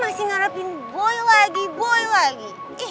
lo tuh udah ngerasain boy lagi boy lagi